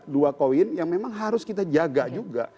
dua koin yang memang harus kita jaga juga